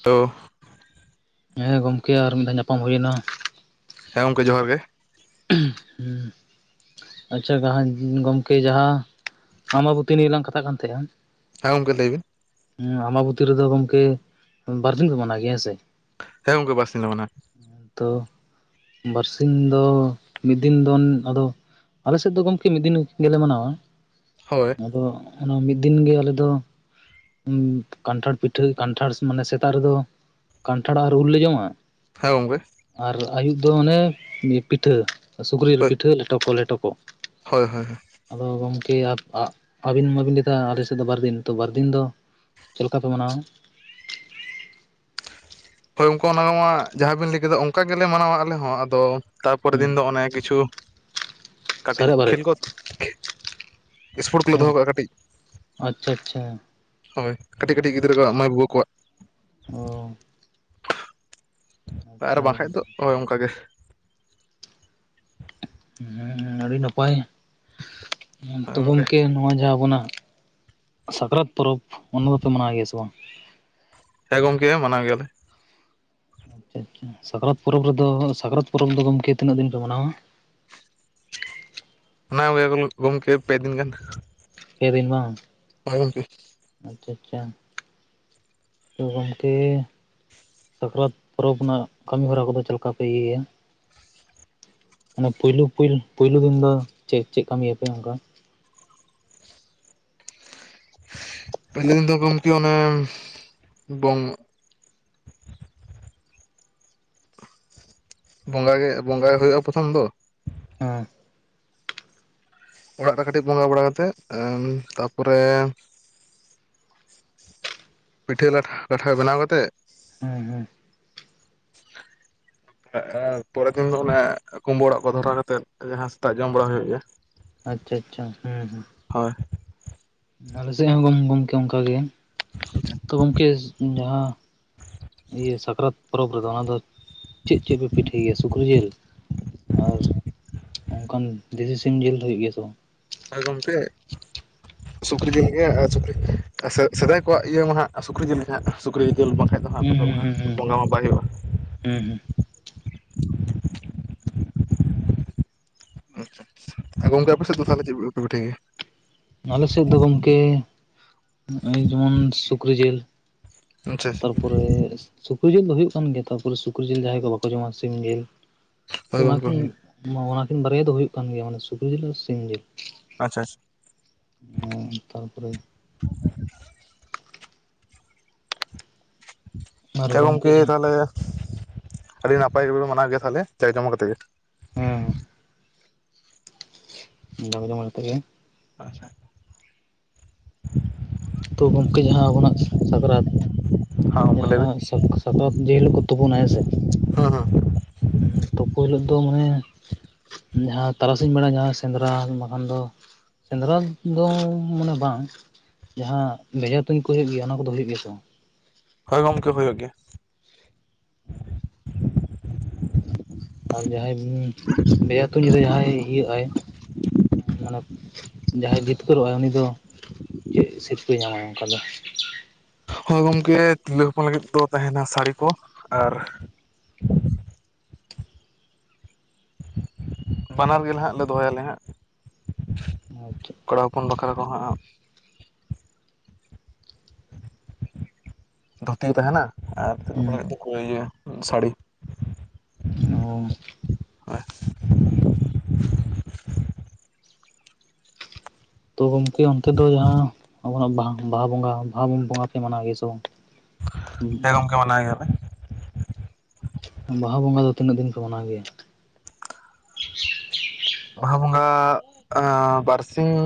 [unintelligible] ᱦᱮᱸ ᱜᱚᱢᱠᱮ ᱟᱨ ᱢᱤᱫ ᱫᱷᱟᱣ ᱧᱟᱯᱟᱢ ᱦᱩᱭ ᱮᱱᱟ᱾ ᱦᱮᱸ ᱜᱚᱢᱠᱮ ᱡᱚᱦᱟᱨ ᱜᱮ᱾ ᱦᱩᱸ᱾ ᱟᱪᱪᱷᱟ ᱜᱚᱢᱠᱮ ᱡᱟᱦᱟᱸ ᱟᱸᱵᱟᱵᱚᱛᱤ ᱱᱤᱭᱮ ᱞᱟᱝ ᱠᱟᱛᱷᱟᱜ ᱠᱟᱱ ᱛᱟᱦᱮᱸᱼᱟ᱾ ᱦᱮᱸ ᱜᱚᱝᱠᱮ ᱞᱟᱹᱭ ᱵᱤᱱ᱾ ᱦᱩᱸ ᱟᱢᱵᱟᱵᱚᱛᱤ ᱨᱮᱫᱚ ᱜᱚᱝᱠᱮ ᱵᱟᱨ ᱫᱤᱱ ᱯᱮ ᱢᱟᱱᱟᱣ ᱜᱮᱭᱟ ᱦᱮᱸ ᱥᱮ᱾ ᱦᱮᱸ ᱜᱚᱢᱠᱮ ᱵᱟᱨ ᱥᱤᱧ ᱞᱮ ᱢᱟᱟᱣᱟ᱾ ᱛᱚ ᱵᱟᱨᱥᱤᱧ ᱫᱚ ᱢᱤᱫ ᱫᱤᱱ ᱫᱚᱱ ᱟᱫᱚ ᱟᱞᱮ ᱥᱮᱫ ᱫᱚ ᱜᱚᱢᱠᱮ ᱢᱤᱫ ᱫᱤᱱ ᱜᱮᱞᱮ ᱢᱟᱱᱟᱣᱟ᱾ ᱦᱳᱭ᱾ ᱟᱫᱚ ᱚᱱᱟ ᱢᱤᱫ ᱫᱤᱱ ᱜᱮ ᱟᱞᱮ ᱫᱚ ᱠᱟᱱᱴᱷᱟᱲ ᱯᱤᱴᱷᱟᱹ ᱠᱟᱱᱴᱷᱟᱲ ᱢᱟᱱᱮ ᱥᱮᱛᱟᱜ ᱨᱮᱫᱚ ᱠᱟᱱᱴᱷᱟᱲ ᱟᱨ ᱨᱩᱞ ᱞᱮ ᱡᱚᱢᱟ᱾ ᱦᱮᱸ ᱜᱚᱝᱠᱮ, ᱟᱨ ᱟᱹᱭᱩᱵ ᱫᱚ ᱚᱱᱮ ᱯᱤᱴᱷᱟᱹ ᱥᱩᱠᱨᱤ ᱡᱤᱞ ᱦᱳᱭ ᱯᱤᱴᱷᱟᱹ ᱞᱮᱴᱚᱠᱚ ᱞᱮᱴᱚᱠᱚ᱾ ᱦᱳᱭ ᱦᱳᱭ [unintelligible] ᱟᱫᱚ ᱜᱚᱢᱠᱮ ᱟᱯ ᱟᱜ ᱟᱹᱵᱤᱱ ᱢᱟᱵᱤᱱ ᱞᱮᱭᱟᱫᱟ ᱟᱞᱮᱥᱮᱫ ᱫᱚ ᱵᱟᱨᱫᱤᱱ ᱛᱚ ᱵᱟᱨ ᱫᱤᱱ ᱫᱚ ᱪᱮᱫ ᱞᱮᱠᱟ ᱯᱮ ᱢᱟᱱᱟᱣᱟ? ᱦᱳᱭ ᱜᱚᱝᱠᱮ ᱚᱱᱟᱢᱟᱜ ᱡᱟᱦᱟᱸ ᱵᱤᱱ ᱞᱮ ᱠᱮᱫᱟ ᱚᱱᱠᱟ ᱜᱮᱞᱮ ᱢᱟᱱᱟᱣᱟ ᱟᱞᱮ ᱦᱚᱸ ᱟᱫᱚ ᱛᱟᱯᱚᱨᱮ ᱦᱩᱸ ᱫᱤᱱ ᱫᱚ ᱚᱱᱮ ᱠᱤᱪᱷᱩ ᱠᱟᱹᱴᱤᱡ ᱥᱟᱨᱮᱡ ᱵᱟᱨᱮᱡ ᱠᱷᱮᱞ ᱠᱚ ᱥᱯᱳᱨᱴ ᱠᱚᱞᱮ ᱦᱮᱸ ᱫᱚᱦᱚ ᱠᱟᱜ-ᱟ ᱠᱟᱹᱴᱤᱡ᱾ ᱟᱪᱪᱷᱟ ᱟᱪᱪᱷᱟ ᱦᱳᱭ ᱠᱟᱹᱴᱤᱡ ᱠᱟᱹᱴᱤᱡ ᱜᱤᱫᱽᱨᱟᱹ ᱠᱚᱣᱟᱜ ᱢᱟᱹᱭ ᱵᱟᱹᱵᱩ ᱠᱚᱣᱟᱜ᱾ ᱚ᱾ ᱟᱨ ᱟᱪᱪᱷᱟ ᱵᱟᱝᱠᱟᱱᱡ ᱫᱚ ᱦᱳᱭ ᱚᱱᱠᱟ ᱜᱮ᱾ ᱦᱮᱸ ᱦᱮᱸ ᱟᱹᱰᱤ ᱱᱟᱯᱟᱭᱚ, ᱛᱚ ᱜᱚᱝᱠᱮ ᱜᱚᱢᱠᱮ ᱱᱚᱣᱟ ᱡᱟᱦᱟᱸ ᱟᱵᱚᱱᱟᱜ ᱥᱠᱨᱟᱛ ᱯᱚᱨᱚᱵᱯ ᱚᱱᱟ ᱫᱚ ᱯᱮ ᱢᱟᱱᱟᱣ ᱜᱮᱭᱟ ᱥᱮ ᱵᱟᱝ? ᱦᱮᱸ ᱜᱚᱢᱠᱮ ᱢᱟᱱᱟᱣ ᱜᱮᱭᱟᱞᱮ᱾ ᱟᱪᱪᱷᱟ ᱟᱪᱪᱷᱟ ᱥᱟᱠᱨᱟᱛ ᱯᱚᱨᱚᱵᱽ ᱨᱮᱫᱚ ᱥᱟᱠᱨᱟᱛ ᱯᱚᱨᱚᱵᱽ ᱫᱚ ᱜᱚᱢᱠᱮ ᱛᱤᱱᱟᱹᱜ ᱫᱤᱱ ᱯᱮ ᱢᱟᱱᱟᱣᱟ? ᱚᱱᱟ ᱠᱚᱜᱮ ᱜᱚᱢᱠᱮ ᱯᱮ ᱫᱤᱱ ᱜᱟᱱ᱾ ᱯᱮ ᱫᱤᱱ ᱵᱟᱝ? ᱦᱳᱭ ᱜᱚᱝᱠᱮ ᱾ ᱟᱪᱪᱷᱟ ᱟᱪᱪᱷᱟ ᱛᱚ ᱜᱚᱢᱠᱮ ᱥᱟᱠᱨᱟᱛ ᱯᱚᱨᱚᱵᱽ ᱨᱮᱱᱟᱜ ᱠᱟᱹᱢᱤ ᱦᱚᱨᱟ ᱠᱚᱫᱚ ᱪᱮᱫ ᱞᱮᱠᱟ ᱯᱮ ᱤᱭᱟᱹᱭᱟ? ᱚᱱᱮ ᱯᱩᱭᱞᱩ ᱯᱩᱭ ᱯᱩᱭᱞᱩ ᱫᱤᱱ ᱫᱚ ᱪᱮᱫ ᱠᱟᱹᱢᱤᱭᱟᱯᱮ ᱚᱱᱠᱟ? ᱯᱚᱭᱞᱳ ᱫᱤᱱ ᱫᱚ ᱜᱚᱢᱠᱮ ᱚᱱᱮ ᱵᱚᱝ ᱵᱚᱸᱜᱟ ᱜᱮ ᱵᱚᱸᱜᱟᱭ ᱦᱩᱭᱩᱜᱼᱟ ᱯᱚᱛᱷᱚᱢ ᱫᱚ, ᱦᱮᱸ᱾ ᱚᱲᱟᱜ ᱨᱮ ᱠᱟᱹᱴᱤᱡ ᱵᱚᱸᱜᱟ ᱵᱟᱲᱟ ᱠᱟᱛᱮᱜ ᱛᱟᱯᱚᱨᱮ ᱯᱤᱴᱷᱟᱹ ᱞᱟᱴᱷᱟ ᱞᱟᱴᱷᱟ ᱵᱮᱱᱟᱣ ᱠᱟᱛᱮᱫ [unintelligible] ᱟᱨ ᱯᱚᱨᱮᱨ ᱫᱤᱱ ᱫᱚ ᱚᱱᱮ ᱠᱩᱢᱵᱳ ᱚᱲᱟᱜ ᱠᱚ ᱫᱷᱚᱨᱟ ᱠᱟᱛᱮᱝ [unintelligible] ᱡᱟᱦᱟᱸ ᱥᱮᱛᱟᱜ ᱡᱚᱢ ᱦᱩᱭᱩᱜ ᱜᱮᱭᱟ᱾ ᱟᱪᱪᱷᱟ ᱟᱪᱪᱷᱟ ᱦᱩᱸ ᱦᱮᱸ᱾ ᱦᱳᱭ᱾ ᱟᱞᱮ ᱥᱮᱫ ᱦᱚᱸ ᱜᱚᱢ ᱜᱚᱝᱠᱮ ᱚᱱᱠᱟ ᱜᱮ᱾ ᱛᱚ ᱜᱚᱝᱠᱮ ᱡᱟᱦᱟᱸ ᱤᱭᱟᱹ ᱥᱟᱠᱨᱟᱛ ᱯᱚᱨᱚᱵᱽ ᱨᱮᱫᱚ ᱚᱱᱟ ᱫᱚ ᱪᱮᱫ ᱪᱮᱫ ᱯᱮ ᱯᱤᱴᱷᱟᱹᱭ ᱜᱮᱭᱟ? ᱥᱩᱠᱨᱤ ᱡᱤᱞ, ᱟᱨ ᱚᱱᱠᱟᱱ ᱫᱮᱥᱤ ᱥᱤᱢ ᱡᱤᱞ ᱫᱚ ᱦᱩᱭᱩᱜ ᱜᱮᱭᱟ ᱥᱮ ᱵᱟᱝ? ᱟᱨ ᱜᱟᱢᱠᱮ ᱥᱩᱠᱨᱤ ᱡᱮᱞ ᱜᱮ ᱟ ᱥᱩᱠᱨᱤ ᱟ ᱥᱮᱫᱟᱭ ᱠᱚᱣᱟᱜ ᱤᱭᱟᱹ ᱢᱟ ᱦᱟᱸᱜ ᱥᱩᱡᱨᱤ ᱡᱤᱞ ᱜᱤ ᱜᱮ ᱦᱜ ᱥᱩᱠᱨᱤ ᱡᱤᱞᱩᱞ ᱵᱟᱝᱠᱷᱷᱟᱟᱱ ᱫᱚ ᱦᱟᱸᱜ ᱟ ᱦᱩᱸ ᱫᱚ [inaudible] ᱦᱟᱸᱜ ᱦᱩᱸ ᱦᱩᱸ ᱵᱚᱸᱜᱟ ᱢᱟᱯᱟᱭ ᱦᱩᱭᱩᱜᱼᱟ᱾ ᱦᱩᱸ ᱦᱩᱸ ᱦᱩᱸ ᱟᱨ ᱜᱚᱝᱠᱮ ᱟᱯᱮᱥᱮᱫ ᱫᱚ ᱛᱟᱦᱟᱞᱮ ᱪᱮᱫ ᱯᱮ ᱯᱮ ᱯᱤᱴᱷᱟᱹᱭ ᱜᱮᱭᱟ? ᱟᱞᱮ ᱥᱮᱫ ᱫᱚ ᱜᱚᱢᱠᱮ, ᱱᱚᱜ-ᱚᱭ ᱡᱮᱢᱚᱱ ᱥᱩᱠᱨᱤ ᱡᱮᱞ᱾ ᱟᱪᱪᱷᱟ ᱛᱟᱨᱯᱚᱨᱮ ᱥᱩᱠᱨᱤ ᱡᱮᱞ ᱫᱚ ᱦᱩᱭᱩᱜ ᱠᱟᱱ ᱜᱮᱭᱟ ᱛᱚ ᱛᱟᱨᱯᱚᱨᱮ ᱥᱩᱠᱨᱤ ᱡᱤᱞ ᱡᱟᱦᱟᱸᱭ ᱠᱚ ᱵᱟᱠᱚ ᱡᱚᱢᱟ ᱥᱤᱢ ᱡᱮᱞ ᱛᱚ ᱦᱳᱭ ᱜᱚᱢᱠᱮ ᱚᱱᱟᱠᱤᱱ ᱦᱳᱭ ᱚᱱᱟᱠᱤᱱ ᱵᱟᱨᱭᱟ ᱫᱚ ᱦᱩᱭᱩᱜ ᱠᱟᱱ ᱜᱮᱭᱟ ᱢᱟᱱᱮ ᱥᱩᱠᱨᱤ ᱡᱮᱞ ᱟᱨ ᱥᱤᱢ ᱡᱮᱞ᱾ ᱟ ᱟᱪᱪᱷ ᱚ ᱛᱟᱨᱯᱚᱨᱮ ᱟᱨ ᱪᱮ ᱜᱚᱢᱠᱮ ᱡᱟᱦᱟᱸ ᱛᱟᱦᱚᱞᱮ ᱟᱹᱰᱤ ᱱᱟᱯᱟᱭ ᱜᱮᱯᱮ ᱢᱟᱱᱟᱣ ᱜᱮᱭᱟ ᱛᱟᱦᱞᱮ? ᱪᱟᱭ [unintelligible] ᱠᱟᱛᱮ ᱜᱮ ᱾ ᱦᱩᱸᱻ ᱡᱟᱠ ᱡᱚᱢᱚᱠ ᱟᱛᱮ ᱜᱮ ᱾ ᱟᱪᱪᱷᱟ ᱾ ᱛᱚ ᱜᱚᱢᱠᱮ ᱡᱟᱦᱟ ᱟᱵᱚᱱᱟᱜ ᱥᱟᱠᱨᱟᱛ, ᱦᱮᱸ ᱜᱚᱢᱠᱮ ᱞᱟᱹᱭ ᱡᱟᱦᱟ ᱵᱮᱱ ᱥᱟᱠ ᱥᱟᱯᱟᱵ ᱡᱮ ᱦᱤᱞᱳᱜ ᱠᱚ ᱛᱳᱯᱳᱱᱟ ᱦᱮᱸ ᱥᱮ, ᱦᱟᱺ ᱦᱟᱺ ᱛᱳᱯᱳ ᱦᱤᱞᱳᱜ ᱫᱚ ᱢᱟᱱᱮ ᱡᱟᱦᱟᱸ ᱛᱟᱨᱟᱥᱤᱧ ᱵᱮᱲᱟ ᱡᱟᱦᱟᱸ ᱥᱮᱸᱫᱽᱨᱟ ᱵᱟᱠᱷᱟᱱ ᱫᱚ ᱥᱮᱸᱫᱽᱨᱟ ᱫᱚᱻ ᱢᱟᱱᱮ ᱵᱟᱝ ᱡᱟᱦᱟᱸ ᱵᱷᱮᱡᱟ ᱛᱩᱧ ᱠᱚ ᱦᱩᱭᱩᱜ ᱜᱮᱭᱟ ᱚᱱᱟ ᱠᱚᱫᱚ ᱦᱩᱭᱩᱜ ᱜᱮᱭᱟ ᱥᱮ ᱵᱟᱝ? ᱦᱳᱭ ᱜᱟᱢᱠᱮ ᱦᱳᱭᱳᱜ ᱜᱮᱭᱟ ᱾ ᱚᱸ ᱟᱨ ᱡᱟᱦᱟᱸᱭ ᱵᱷᱮᱡᱟ ᱛᱩᱧ ᱨᱮ ᱡᱟᱦᱟᱸᱭ ᱤᱭᱟ ᱟᱭ ᱢᱟᱱᱮ ᱡᱟᱸᱦᱟᱭ ᱡᱤᱛᱠᱟᱹᱨᱜ-ᱟᱭ ᱩᱱᱤ ᱫᱚ ᱪᱮᱫ ᱥᱤᱨᱽᱯᱟᱹ ᱧᱟᱢ ᱟᱭ ᱚᱱᱠᱟ ᱫᱚ? ᱦᱳᱭ ᱜᱚᱝᱠᱮ ᱛᱤᱨᱞᱟᱹ ᱦᱚᱯᱚᱱ ᱞᱟᱹᱜᱤᱫ ᱫᱚ ᱛᱟᱦᱮᱱᱟ ᱥᱟᱹᱲᱤ ᱠᱚ, ᱟᱨ ᱵᱟᱱᱟᱨ ᱜᱮ ᱞᱟᱦᱟᱸᱜ ᱞᱮ ᱫᱚᱦᱚᱭᱟᱞᱮ ᱦᱟᱸᱜ ᱾ ᱟᱪᱪᱷᱟ ᱠᱚᱲᱟ ᱦᱚᱯᱚᱱ ᱵᱟᱠᱷᱨᱟ ᱠᱚ ᱦᱟᱸᱜ ᱫᱷᱩᱛᱤ ᱛᱟᱦᱮᱱᱟ ᱟᱨ ᱛᱤᱨᱞᱟᱹ ᱦᱚᱯᱚᱱ ᱦᱮᱸ ᱞᱟᱹᱜᱤᱫ ᱫᱚ ᱤᱭᱟᱹ ᱥᱟᱹᱲᱤ ᱾ ᱚᱻ ᱛᱚ ᱜᱚᱢᱠᱮ ᱚᱱᱛᱮ ᱫᱚ ᱡᱟᱦᱟᱸ ᱟᱵᱚᱱᱟᱜ ᱵᱟᱦᱟ ᱵᱟᱦᱟ ᱵᱚᱸᱜᱟ ᱵᱟᱦᱟ ᱵᱚᱸᱜᱟ ᱯᱮ ᱢᱟᱱᱟᱣ ᱜᱮᱭᱟ ᱥᱮ ᱵᱟᱝ? ᱦᱮᱸ ᱜᱚᱢᱠᱮ ᱢᱟᱱᱟᱣ ᱜᱮᱭᱟ ᱞᱮ ᱾ ᱵᱟᱦᱟ ᱵᱚᱸᱜᱟ ᱫᱚ ᱛᱤᱱᱟᱹᱜ ᱫᱤᱱ ᱯᱮ ᱢᱟᱱᱟᱣ ᱜᱮᱭᱟ? ᱵᱟᱦᱟ ᱵᱚᱸᱜᱟ ᱟᱻ ᱵᱟᱨᱥᱤᱧᱻ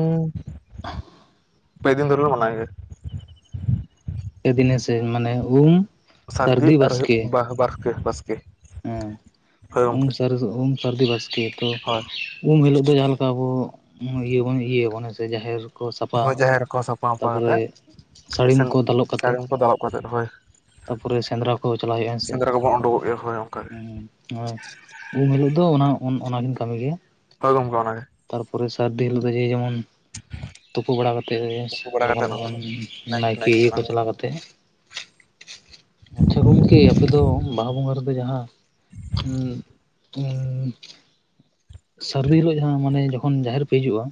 ᱯᱮ ᱫᱤᱱ ᱫᱷᱚᱨᱮ ᱞᱮ ᱢᱟᱱᱟᱣ ᱜᱮᱭᱟ ᱾ ᱮ ᱫᱤᱱᱮ ᱥᱮ ᱢᱟᱱᱮ ᱩᱢ ᱥᱟᱹᱨᱫᱤ ᱟᱨ ᱦᱩᱭᱩᱜ ᱵᱟ-ᱵᱟᱦ ᱵᱟᱥᱠᱮ ᱾ ᱚᱸ ᱩᱢ ᱥᱟᱨᱮᱥ ᱩᱢ ᱥᱟᱹᱨᱫᱤ ᱵᱟᱥᱠᱮ ᱛᱚ ᱦᱳᱭ ᱩᱢ ᱦᱤᱞᱳᱜ ᱫᱚ ᱡᱟᱦᱟᱸ ᱞᱮᱠᱟ ᱟᱵᱚ ᱤᱭᱟᱹ ᱵᱚᱱ ᱤᱭᱟᱹ ᱟᱵᱚᱱ ᱦᱮ ᱥᱮ ᱡᱟᱦᱮᱨ ᱠᱚ ᱦᱳᱭ ᱥᱟᱯᱷᱟ ᱡᱟᱦᱮᱨ ᱠᱚ ᱥᱟᱯᱷᱟ ᱢᱟᱯᱷᱟ ᱠᱟᱛᱮᱫ ᱛᱟᱯᱚᱨᱮ ᱥᱟᱹᱲᱤᱢ ᱥᱮᱱ ᱠᱚ ᱫᱟᱞᱚᱵ ᱠᱟᱛᱮᱫ ᱥᱟᱹᱲᱤᱢᱠᱚ ᱫᱟᱞᱚᱵ ᱠᱟᱛᱮᱫ ᱦᱳᱭ ᱛᱟᱯᱚᱨᱮ ᱥᱮᱸᱫᱽᱨᱟ ᱠᱚ ᱪᱟᱞᱟᱜ ᱦᱩᱭᱩᱜᱼᱟ ᱦᱮᱸ ᱾ ᱥᱮ ᱥᱮᱸᱫᱽᱨᱟ ᱠᱚᱵᱚᱱ ᱳᱰᱳᱠᱚᱜ ᱜᱮᱭᱟ ᱦᱳᱭ ᱚᱱᱠᱟ ᱜᱮ ᱾ ᱦᱳᱭ ᱩᱢ ᱦᱤᱞᱳᱜ ᱫᱚ ᱚᱱᱟ ᱚᱱᱟ ᱠᱤᱱ ᱠᱟᱹᱢᱤ ᱜᱮ ᱾ ᱦᱳᱭ ᱜᱚᱢᱠᱮ ᱚᱱᱟ ᱜᱮ ᱾ ᱛᱟᱨᱯᱚᱨᱮ ᱥᱟᱹᱨᱫᱤ ᱦᱤᱞᱳᱜ ᱫᱚ ᱡᱮ ᱡᱚᱢᱚᱱ ᱾ ᱛᱩᱯᱩ ᱵᱟᱲᱟ ᱠᱟᱛᱮᱜ ᱛᱩᱯᱩ ᱵᱟᱲᱟ ᱞᱚᱜᱚᱱ ᱠᱟᱛᱮᱫ ᱦᱳᱭ ᱞᱚᱜᱚᱱ ᱱᱟᱭᱠᱮ ᱤᱭᱟᱹ ᱠᱚ ᱪᱟᱞᱟᱣ ᱠᱟᱛᱮᱜ ᱟᱪᱪᱷᱟ ᱜᱚᱢᱠᱮ ᱟᱯᱮ ᱫᱚ ᱵᱟᱦᱟ ᱵᱚᱸᱜᱟ ᱨᱮᱫᱚ ᱡᱟᱦᱟᱸ ᱼᱼ ᱦᱩᱸᱻ ᱩᱸᱻ ᱥᱟᱹᱨᱫᱤ ᱦᱤᱞᱳᱜ ᱡᱟᱦᱟᱸ ᱢᱟᱱᱮ ᱡᱚᱠᱷᱚᱱ ᱡᱟᱦᱮᱨ ᱯᱮ ᱦᱤᱡᱩᱜᱼᱟ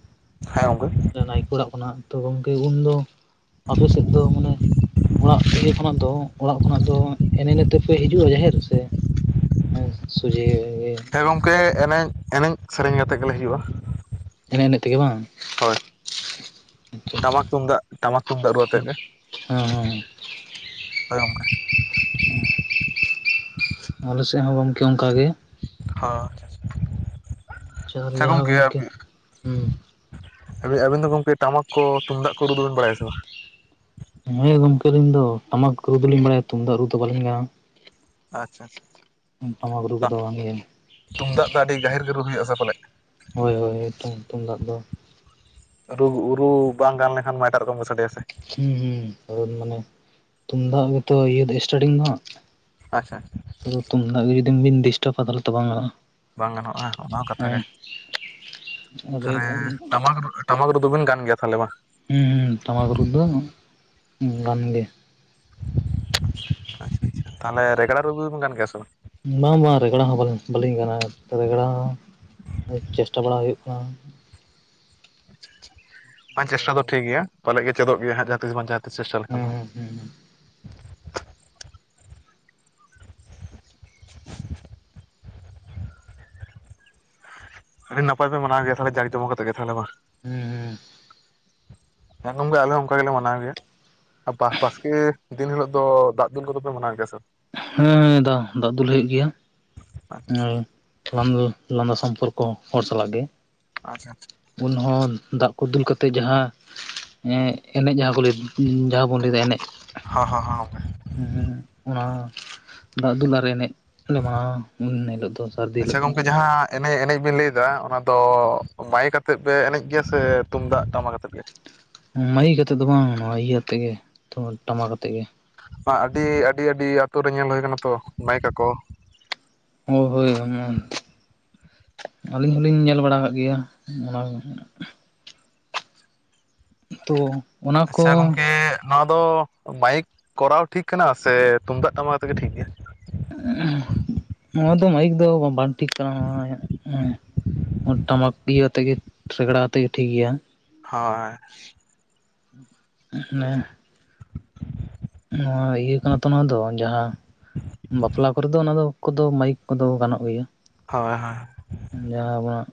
ᱦᱮᱸ ᱜᱚᱢᱠᱮ ᱱᱟᱭᱠᱮ ᱚᱲᱟᱜ ᱠᱷᱚᱱᱟᱜ ᱛᱚ ᱜᱚᱢᱠᱮ ᱩᱱᱫᱚ ᱟᱯᱮ ᱥᱮᱫ ᱫᱚ ᱢᱟᱱᱮ ᱼᱼ ᱚᱲᱟᱜ ᱤᱭᱟᱹ ᱠᱷᱚᱱᱟᱜ ᱫᱚ ᱚᱲᱟᱜ ᱠᱷᱚᱱᱟᱜ ᱫᱚ ᱮᱱᱮᱪ ᱮᱱᱮᱪ ᱛᱮᱯᱮ ᱦᱤᱡᱩᱜᱼᱟ ᱡᱟᱦᱮᱨ? ᱥᱮ ᱼᱼ ᱮ ᱥᱳᱡᱷᱮ ᱜᱮ ᱾ ᱦᱮᱸ ᱜᱚᱝᱠᱮ ᱮᱱᱮᱡ, ᱮᱱᱮᱡ ᱥᱮᱨᱮᱧ ᱠᱟᱛᱮᱫ ᱜᱮᱞᱮ ᱦᱩᱭᱩᱜᱼᱟ᱾ ᱮᱱᱮᱡ ᱮᱱᱮᱡ ᱛᱮᱜᱮ ᱵᱟᱝ? ᱟᱪᱪᱷᱟ ᱴᱟᱢᱟᱠ ᱟᱪᱪᱷᱟ ᱛᱩᱢᱫᱟᱜ, ᱴᱟᱢᱟᱠ ᱛᱩᱢᱫᱟᱜ ᱨᱩ ᱟᱛᱮᱜ ᱦᱮᱸ ᱜᱮ᱾ ᱦᱳᱭ ᱜᱚᱢᱠᱮ᱾ ᱚᱸ ᱟᱞᱮ ᱥᱮᱫ ᱦᱚᱸ ᱜᱚᱝᱠᱮ ᱚᱱᱠᱟ ᱜᱮ᱾ ᱦᱚᱸ ᱟᱪᱪᱷᱟ, ᱟᱨ ᱟᱪᱪᱷᱟ ᱡᱟᱦᱟᱸ ᱜᱚᱢᱠᱮ ᱜᱚᱝᱠᱮ ᱟᱵᱤᱱᱼᱼ ᱦᱩᱸ ᱟᱵᱤᱱ ᱟᱵᱤᱱ ᱫᱚ ᱜᱚᱢᱠᱮ ᱴᱟᱢᱟᱠ ᱠᱚ, ᱛᱩᱢᱫᱟᱜ ᱠᱚ ᱨᱩ ᱫᱚᱵᱤᱱ ᱵᱟᱲᱟᱭᱟ ᱥᱮ ᱵᱟᱝ? ᱦᱳᱭ ᱜᱚᱢᱠᱮ ᱟᱹᱞᱤᱧ ᱫᱚ, ᱴᱟᱢᱟᱠ ᱨᱩ ᱫᱩᱞᱤᱧ ᱵᱟᱲᱟᱭᱟ ᱛᱩᱢᱫᱟᱜ ᱨᱩ ᱫᱚ ᱵᱟᱞᱤᱧ ᱜᱟᱱᱟ᱾ ᱟᱪᱪᱷᱟ ᱟᱪᱪᱷᱟ ᱟᱪᱪᱷᱟ᱾ ᱴᱟᱢᱟᱠ ᱨᱩ ᱠᱚᱫᱚ ᱵᱟᱝᱜᱮ ᱭᱟ ᱛᱩᱢᱫᱟᱜ ᱫᱚ ᱟᱹᱰᱤ ᱜᱟᱦᱤᱨ ᱜᱮ ᱨᱩ ᱦᱩᱭᱩᱜ ᱟᱥᱮ ᱯᱟᱞᱮᱜᱼᱼ ᱦᱳᱭ ᱦᱳᱭ ᱦᱳᱭ ᱛᱩᱢᱫᱟᱜ ᱫᱚᱼᱼ ᱨᱩ ᱨᱩ ᱵᱟᱝ ᱜᱟᱱ ᱞᱮᱠᱷᱟᱱ ᱢᱟ ᱮᱴᱟᱜ ᱨᱚᱠᱚᱢ ᱜᱮ ᱥᱟᱰᱮᱭᱟ ᱥᱮ᱾ ᱦᱩᱸ ᱦᱩᱸ ᱢᱟᱱᱮ ᱨᱩ ᱛᱩᱢᱫᱟᱜ ᱜᱮᱛᱚ ᱤᱭᱟᱹ ᱥᱴᱟᱨᱴᱤᱝ ᱫᱚ ᱦᱟᱸᱜ᱾ ᱟᱪᱪᱷᱟ ᱟᱪᱪᱷᱟ᱾‌ ᱟᱫᱚ ᱛᱩᱢᱫᱟᱜ ᱜᱮ ᱡᱩᱫᱤ ᱵᱤᱱ ᱰᱤᱥᱴᱟᱵᱟ ᱛᱟᱦᱞᱮ ᱛᱚ ᱵᱟᱝ ᱜᱟᱱᱚᱜᱼᱟ᱾ ᱵᱟᱝ ᱜᱟᱱᱚᱜᱼᱟ ᱚᱱᱟ ᱦᱚᱸ ᱠᱟᱛᱷᱟ ᱦᱮᱸ ᱜᱮ᱾ ᱟᱫᱚ ᱛᱷᱟᱨᱮ ᱴᱟᱢᱟᱠ ᱨᱩᱼᱼ ᱴᱟᱢᱟᱠ ᱨᱩ ᱫᱚᱵᱤᱱ ᱜᱟᱱ ᱜᱮᱭᱟ ᱛᱟᱦᱞᱮ ᱵᱟᱝ? ᱦᱩᱸ ᱦᱩᱸ ᱴᱟᱢᱟᱠ ᱨᱩ ᱫᱚ ᱜᱟᱱ ᱜᱮ᱾ ᱟᱪᱪᱷᱟ ᱟᱪᱪᱷᱟ, ᱛᱟᱦᱞᱮ ᱨᱮᱜᱽᱲᱟ ᱨᱩ ᱫᱚᱵᱤᱱ ᱜᱟᱱ ᱜᱮᱭᱟ ᱥᱮ ᱵᱟᱝ? ᱚᱱᱟ ᱦᱚᱸ ᱵᱟᱝ ᱵᱟᱝ ᱨᱮᱜᱽᱲᱟ ᱦᱚᱸ ᱵᱟᱞᱤᱧ ᱵᱟᱞᱤᱧ ᱜᱟᱱᱟ ᱨᱮᱜᱽᱲᱟ ᱦᱚᱼᱼ ᱪᱮᱥᱴᱟ ᱵᱟᱲᱟ ᱦᱩᱭᱩᱜ ᱠᱟᱱᱟ᱾ ᱵᱟᱝ ᱨᱮᱜᱽᱲᱟ ᱪᱮᱥᱴᱟ ᱫᱚ ᱦᱚᱸ ᱴᱷᱤᱠ ᱜᱮᱭᱟ᱾ ᱯᱟᱞᱮᱜ ᱜᱮ ᱪᱮᱫᱚᱜ ᱜᱮᱭᱟ ᱡᱟᱦᱟᱸ ᱛᱤᱥ ᱵᱟᱝ ᱡᱟᱦᱟᱸ ᱛᱤᱥ ᱪᱮᱥᱴᱟ ᱦᱩᱸ ᱞᱮᱠᱷᱟᱱ ᱦᱟᱸᱜ᱾ ᱦᱩᱸ ᱟᱹᱰᱤ ᱱᱟᱯᱟᱭ ᱯᱮ ᱢᱟᱱᱟᱣ ᱜᱮᱭᱟ ᱛᱟᱦᱞᱮ ᱡᱟᱠ ᱡᱚᱢᱚᱠ ᱠᱟᱛᱮ ᱜᱮ ᱛᱟᱦᱞᱮ ᱵᱟᱝ? ᱦᱩᱸ ᱦᱩᱸ᱾ ᱦᱮᱸ ᱜᱚᱢᱠᱮ ᱟᱞᱮ ᱦᱚ ᱚᱱᱠᱟ ᱜᱮᱞᱮ ᱢᱟᱱᱟᱣ ᱜᱮᱭᱟ᱾ ᱵᱟᱦ ᱵᱟᱥᱠᱮᱻ ᱫᱤᱱ ᱦᱤᱞᱳᱜ ᱫᱚ ᱫᱟᱜ ᱫᱩᱞ ᱠᱚᱫᱚ ᱯᱮ ᱢᱟᱱᱟᱣ ᱜᱮᱭᱟ ᱥᱮ ᱵᱟᱝ? ᱦᱮᱸ ᱫᱟ ᱫᱟᱜ ᱫᱩᱞ ᱦᱩᱭᱩᱜ ᱜᱮᱭᱟ᱾ ᱵᱟᱝ? ᱦᱳᱭ ᱞᱟᱸᱫᱟ ᱞᱟᱸᱫᱟ ᱥᱚᱢᱯᱚᱨᱠᱚ ᱦᱚᱲ ᱥᱟᱞᱟᱜ ᱜᱮ᱾ ᱟᱪᱪᱷᱟ ᱪᱷᱟ᱾ ᱩᱱᱦᱚᱸ ᱫᱟᱜ ᱠᱚ ᱫᱩᱞ ᱠᱟᱛᱮᱫ ᱡᱟᱦᱟᱸᱼᱼ ᱮ ᱮᱱᱮᱡ ᱡᱟᱦᱟᱸ ᱠᱚ ᱞᱟᱹᱭ ᱡᱟᱦᱟᱸ ᱵᱚᱱ ᱞᱟᱹᱭᱫᱟ ᱮᱱᱮᱡ᱾ ᱦᱚ ᱦᱚ ᱦᱚ ᱦᱩᱸ ᱦᱩᱸ ᱚᱱᱟ ᱦᱚᱸ ᱫᱟᱜ ᱫᱩᱞ ᱟᱨ ᱮᱱᱮᱡ ᱞᱮ ᱢᱟᱱᱟᱣᱟ ᱩᱱ ᱦᱤᱞᱳᱜ ᱫᱚ᱾ ᱥᱟᱹᱨᱫᱤ ᱟᱪᱪᱷᱟ ᱦᱤᱞᱳᱜ ᱫᱚ ᱜᱚᱝᱠᱮ ᱡᱟᱦᱟᱸᱼᱼ ᱮᱱᱮᱡ ᱮᱱᱮᱡ ᱵᱮᱱ ᱞᱟᱹᱭ ᱫᱟ ᱚᱱᱟ ᱫᱚ ᱢᱟᱭᱮᱠ ᱟᱛᱮᱫ ᱯᱮ ᱮᱱᱮᱡ ᱜᱮᱭᱟ ᱥᱮ ᱛᱩᱢᱫᱟᱜ ᱴᱟᱢᱟᱠ ᱟᱛᱮᱫ ᱜᱮ? ᱢᱟᱭᱤᱠ ᱟᱛᱮᱫ ᱫᱚ ᱵᱟᱝ ᱱᱚᱣᱟ ᱤᱭᱟᱹ ᱛᱮᱜᱮ ᱴᱟᱢᱟᱠ ᱟᱛᱮ ᱜᱮ᱾ ᱟᱹᱰᱤ ᱟᱹᱰᱤ ᱟᱹᱰᱤ ᱟᱛᱳ ᱨᱮ ᱧᱮᱞ ᱦᱩᱭ ᱠᱟᱱᱟ ᱛᱚ ᱢᱟᱭᱤᱠ ᱟᱠᱚ᱾ ᱦᱳᱭ ᱦᱳᱭᱳᱢᱟᱲᱱ ᱟᱹᱞᱤᱧ ᱦᱚᱸᱞᱤᱧ ᱧᱮᱞ ᱵᱟᱲᱟ ᱠᱟᱜ ᱜᱮᱭᱟ ᱚᱱᱟᱼᱼ ᱛᱚ ᱚᱱᱟ ᱠᱚ ᱟᱪᱪᱷᱟ ᱜᱚᱝᱠᱮ ᱟᱫᱚ ᱢᱟᱭᱤᱠ ᱠᱚᱨᱟᱣ ᱴᱷᱤᱠ ᱠᱟᱱᱟ ᱥᱮ ᱛᱩᱢᱫᱟᱜ ᱴᱟᱢᱟᱠ ᱛᱮᱜᱮ ᱴᱷᱤᱠ ᱜᱮᱭᱟ? ᱱᱚᱣᱟ ᱫᱚ ᱢᱟᱭᱤᱠ ᱫᱚ ᱵᱟᱝ ᱴᱷᱤᱠ ᱠᱟᱱᱟ, ᱱᱚᱣᱟ ᱳᱧᱟᱜ ᱢᱚᱱᱮ ᱴᱟᱢᱟᱠ ᱤᱭᱟᱹ ᱟᱛᱮ ᱜᱮ ᱨᱮᱜᱲᱟ ᱟᱛᱮ ᱜᱮ ᱴᱷᱤᱠ ᱜᱮᱭᱟ᱾ ᱦᱳᱭ [unintelligible] ᱱᱚᱣᱟ ᱤᱭᱟᱹ ᱠᱟᱱᱟ ᱛᱚ ᱱᱚᱣᱟ ᱫᱚ ᱡᱟᱦᱟᱸ ᱵᱟᱯᱞᱟ ᱠᱚᱨᱮ ᱫᱚ ᱚᱱᱟ ᱫᱚ ᱠᱚᱫᱚ ᱢᱟᱭᱤᱠ ᱠᱚᱫᱚ ᱜᱟᱱᱚᱜ ᱜᱮᱭᱟ᱾ ᱦᱳᱭ ᱦᱳᱭ᱾ ᱡᱟᱦᱟᱸ ᱟᱵᱚᱱᱟᱜ,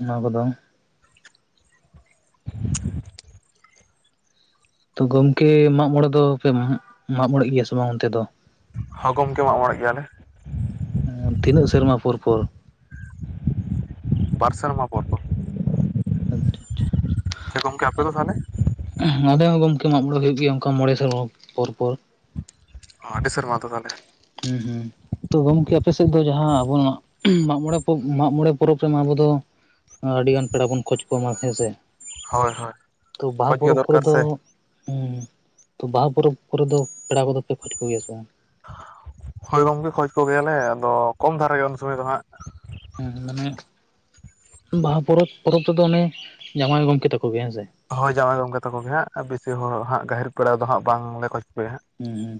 ᱚᱱᱟ ᱠᱚᱫᱚ᱾ [inaudible] ᱛᱚ ᱜᱚᱢᱠᱮ ᱢᱟᱜᱽ ᱢᱚᱬᱮ ᱫᱚ ᱯᱮ ᱢᱟᱜᱽ ᱢᱚᱬᱮᱜ ᱜᱮᱭᱟ ᱥᱮ ᱵᱟᱝ ᱚᱱᱛᱮ ᱫᱚ? ᱦᱚᱸ ᱜᱚᱢᱠᱮ ᱢᱟᱜ ᱢᱟᱬᱮᱜ ᱜᱮᱭᱟ ᱞᱮ᱾ ᱮᱸ ᱛᱤᱱᱟᱹᱜ ᱥᱮᱨᱢᱟ ᱯᱚᱨ ᱯᱚᱨ? ᱵᱟᱨ ᱥᱮᱨᱢᱟ ᱯᱚᱨ ᱯᱚᱨ᱾ ᱟᱪᱪᱷᱟ ᱟᱪᱪᱷᱟ᱾ ᱦᱮᱸ ᱜᱚᱝᱠᱮ ᱟᱯᱮ ᱫᱚ ᱛᱟᱦᱚᱞᱮ? ᱟᱞᱮ ᱦᱚᱸ ᱜᱚᱢᱠᱮ ᱢᱟᱜ ᱢᱚᱬᱮ ᱦᱩᱭᱩᱜ ᱜᱮᱭᱟ ᱚᱱᱠᱟ ᱢᱚᱬᱮ ᱥᱮᱨᱢᱟ ᱯᱚᱨ ᱯᱚᱨ᱾ ᱚᱸ ᱟᱹᱰᱤ ᱥᱮᱨᱢᱟ ᱛᱚ ᱛᱟᱦᱚᱞᱮ᱾ ᱦᱩᱸ ᱦᱩᱸ᱾ ᱛᱚ ᱜᱚᱢᱠᱮ ᱟᱯᱮ ᱥᱮᱫ ᱫᱚ ᱡᱟᱦᱟᱸ ᱟᱵᱚ ᱢᱟᱜ ᱢᱟᱜᱽ ᱢᱚᱬᱮ ᱯᱚᱵ ᱢᱟᱜᱽ ᱢᱚᱬᱮ ᱯᱚᱨᱚᱵᱽ ᱨᱮᱢᱟ ᱟᱵᱚ ᱫᱚ ᱟᱹᱰᱤᱜᱟᱱ ᱯᱮᱲᱟ ᱵᱚᱱ ᱠᱷᱚᱡ ᱠᱚᱢᱟ ᱦᱮᱸ ᱥᱮ ᱦᱳᱭ ᱦᱳᱭ ᱛᱚ ᱵᱟᱦᱟ ᱠᱷᱚᱡᱽ ᱜᱮ ᱯᱚᱨᱚᱵᱽ ᱠᱚᱨᱮ ᱫᱚᱨᱠᱟᱨ ᱫᱚ ᱥᱮ ᱦᱩᱸ ᱛᱚ ᱵᱟᱦᱟ ᱯᱚᱨᱚᱵᱽ ᱠᱚᱨᱮ ᱫᱚ ᱯᱮᱲᱟ ᱠᱚᱫᱚ ᱯᱮ ᱠᱷᱚᱡ ᱠᱚ ᱜᱮᱭᱟ ᱥᱮ ᱵᱟᱝ? ᱦᱳᱭ ᱜᱚᱝᱠᱮ ᱠᱷᱚᱡ ᱠᱚᱜᱮᱭᱟᱞᱮ ᱟᱫᱚ ᱠᱚᱢ ᱫᱷᱟᱨᱟ ᱜᱮ ᱩᱱ ᱥᱚᱢᱚᱭ ᱫᱚ ᱦᱟᱸᱜ᱾ ᱦᱩᱸ ᱢᱟᱱᱮ ᱵᱟᱦᱟ ᱯᱚᱨᱚᱵᱽ ᱯᱚᱨᱚᱵᱽ ᱨᱮᱫᱚ ᱚᱱᱮ ᱡᱟᱶᱟᱭ ᱜᱚᱢᱠᱮ ᱛᱟᱠᱚ ᱜᱮ ᱦᱮᱸ ᱥᱮ? ᱦᱳᱭ ᱡᱟᱶᱟᱭ ᱜᱚᱝᱠᱮ ᱛᱟᱠᱚ ᱜᱮ ᱦᱟᱸᱜ ᱵᱤᱥᱤ ᱦᱚᱲ ᱦᱟᱸᱜ ᱜᱟᱹᱦᱤᱨ ᱯᱮᱲᱟ ᱫᱚ ᱦᱟᱸᱜ ᱵᱟᱝ ᱞᱮ ᱠᱷᱚᱡᱽ ᱯᱮᱭᱟ᱾ ᱦᱩᱸ ᱦᱩᱸ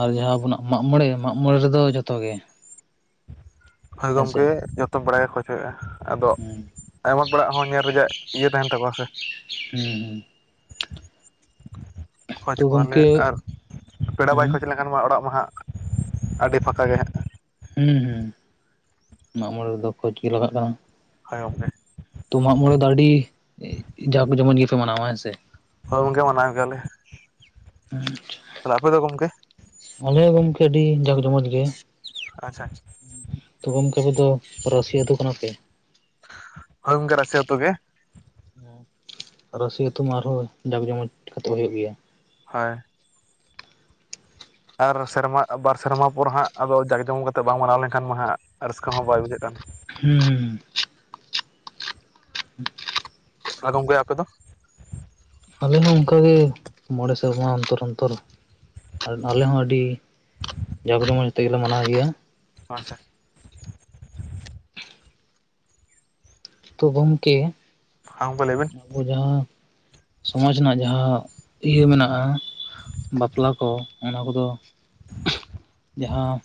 ᱟᱨ ᱡᱟᱦᱟᱸ ᱟᱵᱚᱱᱟᱜ ᱢᱟᱜ ᱢᱚᱬᱮ ᱢᱟᱜ ᱢᱚᱬᱮ ᱨᱮᱫᱚ ᱡᱷᱚᱛᱚ ᱜᱮ᱾ ᱦᱳᱭ ᱦᱮᱸᱥᱮ ᱜᱚᱢᱠᱮ ᱡᱷᱚᱛᱚ ᱵᱟᱲᱟ ᱜᱮ ᱠᱷᱚᱡ ᱦᱳᱭᱳᱜ-ᱟ ᱟᱫᱚ ᱦᱩᱸ ᱟᱭᱢᱟ ᱯᱮᱲᱟᱜ ᱦᱚᱸ ᱧᱮᱨ ᱨᱮᱡᱟᱜ ᱤᱭᱟᱹ ᱛᱟᱦᱮᱱ ᱛᱟᱠᱚᱣᱟ ᱥᱮ, ᱦᱩᱸ ᱦᱩᱸ ᱠᱷᱚᱡᱽ ᱛᱚ ᱠᱚᱣᱟ ᱞᱮ ᱜᱚᱢᱠᱮ ᱟᱨ ᱯᱮᱲᱟ ᱵᱟᱭ ᱦᱩᱸ ᱠᱷᱚᱡᱽ ᱞᱮ ᱠᱷᱟᱱ ᱢᱟ ᱚᱲᱟᱜ ᱢᱟ ᱦᱟᱸᱜ ᱟᱹᱰᱤ ᱯᱷᱸᱟᱠᱟ ᱜᱮ ᱦᱟᱸᱜ ᱦᱩᱸ ᱦᱩᱸ ᱢᱟᱜ ᱢᱚᱬᱮ ᱨᱮᱫᱚ ᱠᱷᱚᱡ ᱜᱮ ᱞᱟᱜᱟᱜ-ᱟ᱾ ᱦᱳᱭ ᱜᱚᱢᱠᱮ᱾ ᱛᱚ ᱢᱟᱜ ᱢᱚᱬᱮ ᱫᱚ ᱟᱹᱰᱤ ᱡᱟᱠ ᱡᱚᱢᱚᱡ ᱜᱮᱯᱮ ᱢᱟᱱᱟᱣᱟ ᱦᱮᱸ ᱥᱮ? ᱦᱳᱭ ᱜᱚᱝᱠᱮ ᱢᱟᱱᱟᱣ ᱜᱮᱭᱟ ᱞᱮ᱾ ᱟᱪᱪᱷᱟ ᱛᱟᱦᱞᱮ ᱟᱯᱮ ᱫᱚ ᱜᱚᱢᱠᱮ? ᱢᱚᱱᱮ ᱜᱚᱝᱠᱮ ᱟᱹᱰᱤ ᱡᱟᱸᱠ ᱡᱚᱢᱚᱡ ᱜᱮ᱾ ᱟᱪᱪᱷᱟ ᱟᱪᱪᱷᱟ᱾ ᱛᱚ ᱜᱚᱢᱠᱮ ᱟᱵᱚ ᱫᱚ ᱨᱟᱥᱤ ᱟᱛᱩ ᱠᱟᱱᱟᱯᱮ? ᱦᱳᱭ ᱜᱚᱝᱠᱮ ᱨᱟᱥᱤ ᱟᱛᱩ ᱜᱮ᱾ ᱨᱟᱥᱤ ᱟᱛᱩ ᱢᱟ ᱟᱨᱦᱚᱸ ᱡᱟᱠ ᱡᱚᱢᱚᱪ ᱠᱟᱛᱮᱜ ᱦᱩᱭᱩᱜ ᱜᱮᱭᱟ᱾ ᱦᱳᱭ᱾ ᱟᱨ ᱥᱮᱨᱢᱟ ᱵᱟᱨ ᱥᱮᱨᱢᱟ ᱯᱚᱨ ᱦᱟᱸᱜ ᱟᱫᱚ ᱡᱟᱸᱠ ᱡᱚᱢᱚᱠ ᱟᱛᱮᱜ ᱵᱟᱝ ᱢᱟᱱᱟᱣ ᱞᱮᱱᱠᱷᱟᱱ ᱢᱟ ᱦᱟᱸᱜ ᱨᱟᱹᱥᱠᱟᱹ ᱦᱚᱸ ᱵᱟᱭ ᱵᱩᱡᱷᱟᱹᱜ ᱠᱟᱱ, ᱦᱩᱸ ᱦᱩᱸ᱾ [unintelligible] ᱦᱟᱸ ᱜᱚᱝᱠᱮ ᱟᱯᱮ ᱫᱚ? ᱟᱞᱮ ᱦᱚᱸ ᱚᱝᱠᱟ ᱜᱮ ᱢᱚᱬᱮ ᱥᱮᱨᱢᱟ ᱚᱱᱛᱚᱨ ᱚᱱᱛᱚᱨ ᱟᱨ ᱟᱞᱮ ᱦᱚᱸ ᱟᱹᱰᱤ ᱡᱟᱠ ᱡᱚᱢᱚᱡᱽ ᱛᱮᱜᱮᱞᱮ ᱢᱟᱱᱟᱣ ᱜᱮᱭᱟ᱾ ᱟᱪᱪᱷᱟ ᱛᱚ ᱜᱚᱢᱠᱮ ᱦᱟᱸ ᱜᱚᱢᱠᱮ ᱞᱟᱹᱭ ᱵᱮᱱ? ᱟᱵᱚ ᱡᱟᱦᱟᱸ ᱥᱚᱢᱟᱡᱽ ᱨᱮᱱᱟᱜ ᱡᱟᱦᱟᱸ ᱤᱭᱟᱹ ᱢᱮᱱᱟᱜ-ᱟ᱾ ᱵᱟᱯᱞᱟ ᱠᱚ ᱚᱱᱟ ᱠᱚᱫᱚ ᱡᱟᱦᱟᱸ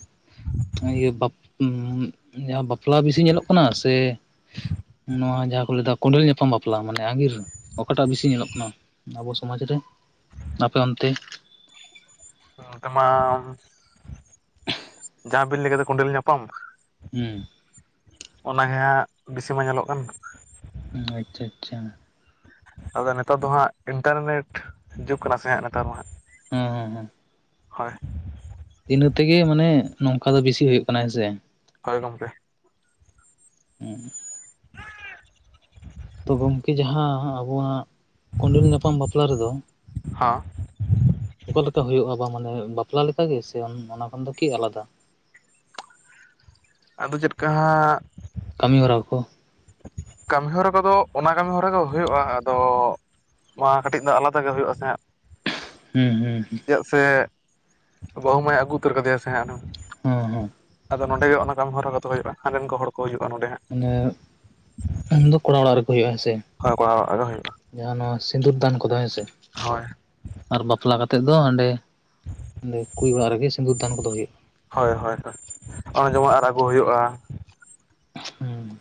ᱤᱭᱟᱹ ᱵᱟᱯ ᱩᱸᱜ ᱡᱟᱦᱟᱸ ᱵᱟᱯᱞᱟ ᱵᱤᱥᱤ ᱧᱮᱞᱚᱜ ᱠᱟᱱᱟ ᱥᱮ ᱱᱚᱣᱟ ᱡᱟᱦᱟᱸ ᱠᱚ ᱞᱟᱹᱭ ᱫᱟ ᱠᱚᱸᱰᱮᱞ ᱧᱟᱯᱟᱢ ᱵᱟᱯᱞᱟ ᱢᱟᱱᱮ ᱟᱺᱜᱤᱨ ᱚᱠᱟᱴᱟᱜ ᱵᱤᱥᱤ ᱧᱮᱞᱚᱜ ᱠᱟᱱᱟ? ᱟᱵᱚ ᱥᱚᱢᱟᱡᱽ ᱨᱮ ᱟᱯᱮ ᱚᱱᱛᱮ? ᱚᱱ ᱛᱮᱢᱟ ᱩᱸ ᱩᱸ ᱡᱟᱦᱟᱸ ᱵᱤᱱ ᱞᱟᱹᱭ ᱠᱮᱫᱟ ᱠᱚᱸᱰᱮᱞ ᱧᱟᱯᱟᱢ ᱩᱸ ᱚᱱᱟ ᱜᱮ ᱦᱟᱸᱜ ᱵᱤᱥᱤ ᱢᱟ ᱧᱮᱞᱚᱜ ᱠᱟᱱ᱾ ᱟᱪᱪᱷᱟ ᱟᱪᱪᱷᱟ ᱟᱫᱚ ᱱᱮᱛᱟᱨ ᱫᱚ ᱦᱟᱸᱜ ᱤᱱᱴᱟᱨᱱᱮᱴ ᱡᱩᱜᱽ ᱠᱟᱱᱟ ᱥᱮ ᱦᱟᱸᱜ ᱱᱮᱛᱟᱨ ᱫᱚ ᱦᱟᱸᱜ ᱦᱚᱸ ᱦᱚᱸ ᱦᱚᱸ ᱦᱳᱭ ᱤᱱᱟᱹ ᱛᱮᱜᱮ ᱢᱟᱱᱮ ᱱᱚᱝᱠᱟ ᱫᱚ ᱵᱤᱥᱤ ᱦᱩᱭᱩᱜ ᱠᱟᱱᱟ ᱦᱮᱸᱥᱮ ᱦᱳᱭ ᱜᱚᱢᱠᱮ ᱩᱸ ᱛᱚ ᱜᱚᱢᱠᱮ ᱡᱟᱦᱟᱸ ᱦᱟᱸᱜ ᱟᱵᱚᱣᱟᱜ ᱠᱚᱸᱰᱮᱞ ᱧᱟᱯᱟᱢ ᱵᱟᱯᱞᱟ ᱨᱮᱫᱚ ᱦᱚᱸ ᱚᱠᱟ ᱞᱮᱠᱟ ᱦᱩᱭᱩᱜ-ᱟ ᱵᱟ ᱢᱟᱱᱮ ᱵᱟᱯᱞᱟ ᱞᱮᱠᱟ ᱜᱮ ᱥᱮ ᱚᱱ ᱚᱱᱟ ᱠᱷᱚᱱ ᱫᱚ ᱠᱤ ᱟᱞᱟᱫᱟ? ᱟᱫᱚ ᱪᱮᱫᱠᱟ ᱦᱟᱸᱜ ᱠᱟᱹᱢᱤ ᱦᱚᱨᱟ ᱠᱩ ᱠᱟᱹᱢᱤᱦᱚᱨᱟ ᱠᱚᱫᱚ ᱚᱱᱟ ᱠᱟᱹᱢᱤ ᱦᱚᱨᱟ ᱜᱮ ᱦᱩᱭᱩᱜ-ᱟ ᱟᱫᱚ ᱱᱚᱣᱟ ᱠᱟᱹᱴᱤᱡ ᱫᱚ ᱟᱞᱟᱫᱟ ᱜᱮ ᱦᱩᱭᱩᱜ ᱟᱥᱮ ᱦᱟᱸᱜ ᱦᱩᱸ ᱦᱩᱸ ᱦᱩᱸ ᱪᱮᱫᱟᱜ ᱥᱮ ᱵᱟᱹᱦᱩ ᱢᱟᱭ ᱟᱹᱜᱩ ᱩᱛᱟᱹᱨ ᱠᱟᱫᱮᱭᱟ ᱥᱮ ᱦᱟᱸᱜ ᱮᱱᱦᱚᱸ ᱦᱚᱸ ᱦᱚᱸ ᱟᱫᱚ ᱱᱚᱰᱮ ᱜᱮ ᱚᱱᱟ ᱠᱟᱹᱢᱤ ᱦᱚᱨᱟ ᱠᱚᱛᱚ ᱦᱩᱭᱩᱜ-ᱟ ᱦᱟᱸᱰᱮᱱ ᱠᱚ ᱦᱚᱲ ᱠᱚ ᱦᱤᱡᱩᱜ-ᱟ ᱱᱚᱰᱮ ᱦᱟᱸᱜ ᱢᱟᱱᱮ ᱩᱱ ᱫᱚ ᱠᱚᱲᱟ ᱚᱲᱟᱜ ᱨᱮᱠᱚ ᱦᱩᱭᱩᱜ ᱦᱮᱸ ᱥᱮ ᱦᱮᱸ ᱠᱚᱲᱟ ᱦᱩᱭᱩᱜ-ᱟ᱾ ᱡᱟᱦᱟᱸ ᱱᱚᱣᱟ ᱥᱤᱸᱫᱩᱨ ᱫᱟᱱ ᱠᱚᱫᱚ ᱦᱮᱸᱥᱮ ᱦᱳᱭ ᱟᱨ ᱵᱟᱯᱞᱟ ᱠᱟᱛᱮᱫ ᱫᱚ ᱚᱸᱰᱮ ᱚᱸᱰᱮ ᱠᱩᱲᱤ ᱚᱲᱟᱜ ᱨᱮᱜᱮ ᱥᱤᱸᱫᱩᱨ ᱫᱟᱱ ᱠᱚᱫᱚ ᱦᱩᱭᱩᱜ-ᱟ᱾ ᱦᱳᱭ ᱦᱳᱭ ᱦᱳᱭ ᱚᱱᱮ ᱡᱮᱢᱚᱱ ᱟᱨ ᱟᱹᱜᱩ ᱦᱩᱭᱩᱜ-ᱟ᱾ ᱦᱩᱸ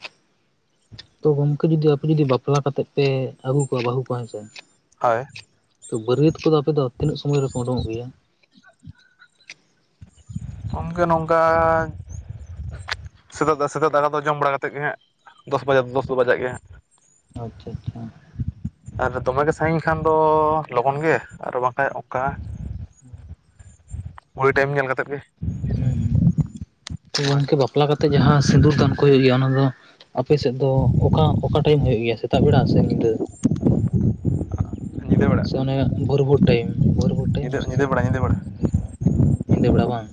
ᱛᱚ ᱜᱚᱢᱠᱮ ᱡᱩᱫᱤ ᱟᱯᱮ ᱡᱩᱫᱤ ᱵᱟᱯᱞᱟ ᱠᱟᱛᱮᱜ ᱯᱮ ᱟᱹᱜᱩ ᱠᱚᱣᱟ ᱵᱟᱹᱦᱩ ᱠᱚᱣᱟ ᱦᱮᱸᱥᱮ ᱦᱳᱭ ᱛᱚ ᱵᱟᱹᱨᱭᱟᱹᱛ ᱠᱚᱫᱚ ᱟᱯᱮ ᱫᱚ ᱛᱤᱱᱟᱹᱜ ᱥᱚᱢᱚᱭ ᱨᱮᱯᱮ ᱩᱰᱩᱝᱚᱜ ᱜᱮᱭᱟ? [unintelligible] ᱜᱚᱢᱠᱮ ᱱᱚᱝᱠᱟ ᱥᱮᱛᱟᱜ ᱫᱚ ᱥᱮᱛᱟᱜ ᱫᱚ ᱫᱟᱠᱟ ᱫᱚ ᱡᱚᱢ ᱵᱟᱲᱟ ᱠᱟᱛᱮ ᱜᱮ ᱦᱟᱸᱜ ᱫᱚᱥ ᱵᱟᱡᱟ ᱫᱚᱥ ᱵᱟᱡᱟᱜ ᱜᱮ ᱦᱟᱸᱜ ᱟᱪᱪᱷᱟ ᱟᱪᱪᱷᱟ᱾ ᱟᱨ ᱫᱚᱢᱮ ᱜᱮ ᱥᱟᱺᱜᱤᱧ ᱠᱷᱟᱱ ᱫᱚ ᱞᱚᱜᱚᱱ ᱜᱮ ᱟᱨ ᱵᱟᱝᱠᱷᱟᱱ ᱚᱱᱠᱟ ᱦᱩᱸ᱾ ᱜᱷᱚᱲᱤ ᱴᱟᱭᱤᱢ ᱧᱮᱞ ᱠᱟᱛᱮᱫ ᱜᱮ᱾ ᱦᱩᱸ ᱦᱩᱸ, ᱦᱳᱭ ᱜᱚᱝᱠᱮ ᱵᱟᱯᱞᱟ ᱠᱟᱛᱮᱜ ᱡᱟᱦᱟᱸ ᱥᱤᱸᱫᱩᱨ ᱫᱟᱱ ᱠᱚ ᱦᱩᱭᱩᱜ ᱦᱩᱭᱟ ᱚᱱᱟ ᱫᱚ ᱟᱯᱮ ᱥᱮᱫ ᱫᱚ ᱚᱠᱟ-ᱚᱠᱟ ᱴᱟᱭᱤᱢ ᱦᱩᱭᱩᱜ ᱜᱮᱭᱟ, ᱥᱮᱛᱟᱜ ᱵᱮᱲᱟ ᱥᱮ ᱧᱤᱫᱟᱹ? ᱧᱤᱫᱟᱹ ᱵᱮᱲᱟ ᱥᱮ ᱚᱱᱮ ᱵᱷᱚᱨ-ᱵᱷᱚᱨ ᱴᱟᱭᱤᱢ, ᱵᱷᱚᱨ-ᱵᱷᱚᱨ ᱴᱟᱭᱤᱢ ᱧᱤᱫᱟᱹ ᱥᱮ ᱧᱤᱫᱟᱹ ᱪᱮᱫ? ᱵᱮᱲᱟ ᱧᱤᱫᱟᱹ ᱵᱮᱲᱟ ᱧᱤᱫᱟᱹ ᱵᱮᱲᱟ ᱵᱟᱝ?